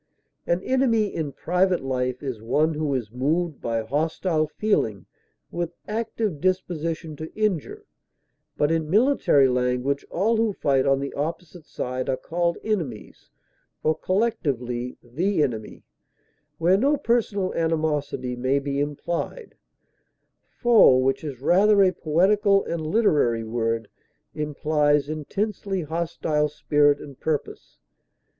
An enemy in private life is one who is moved by hostile feeling with active disposition to injure; but in military language all who fight on the opposite side are called enemies or collectively "the enemy," where no personal animosity may be implied; foe, which is rather a poetical and literary word, implies intensely hostile spirit and purpose.